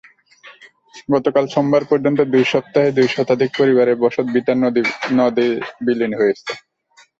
গতকাল সোমবার পর্যন্ত দুই সপ্তাহে দুই শতাধিক পরিবারের বসতভিটা নদে বিলীন হয়েছে।